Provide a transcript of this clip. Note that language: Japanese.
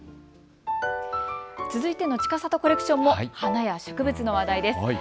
続いてのちかさとコレクションも花や植物の話題です。